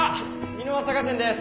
美濃輪酒店です